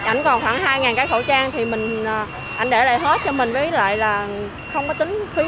anh còn khoảng hai cái khẩu trang thì anh để lại hết cho mình với lại là không có tính phí lợi nhuận gì hết